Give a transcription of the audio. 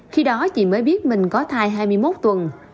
khi đó chị mới biết mình có thai hai mươi một tuần